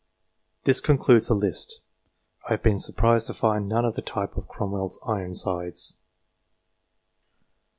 This concludes the list. I have been surprised to find none of the type of Cromwell's " Ironsides."